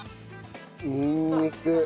にんにく。